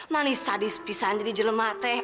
manis sadis pisang jadi jelema teh